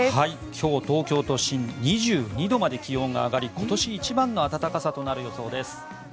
今日、東京都心２２度まで気温が上がり今年一番の暖かさとなる予想です。